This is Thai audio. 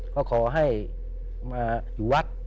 ก็ขอให้มาอยู่วัด